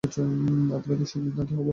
আদালতে সেই সিদ্ধান্ত হবে।